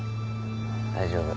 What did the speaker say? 大丈夫。